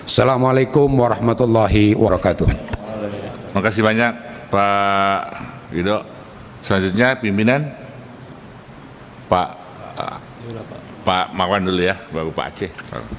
assalamu alaikum warahmatullahi wabarakatuh